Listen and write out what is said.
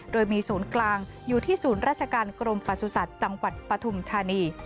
โดยมีศูนย์กลางอยู่ที่ศูนย์ราชการกรมประสุทธิ์จังหวัดปฐุมธานี